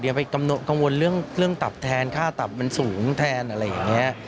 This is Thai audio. อย่าไปกังวลเรื่องตับแทนค่าตับมันสูงแทนอะไรอย่างนี้